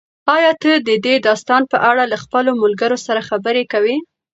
ایا ته د دې داستان په اړه له خپلو ملګرو سره خبرې کوې؟